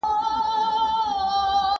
¬ يا دي نه وي يا دي نه سره زامن وي.